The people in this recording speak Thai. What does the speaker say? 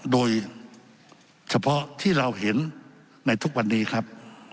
โดยเฉพาะที่เราเห็นในทุกวันนี้ครับ